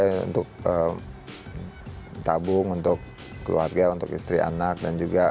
ya pastinya ya untuk keluarga juga untuk tabung untuk keluarga untuk istri anak dan juga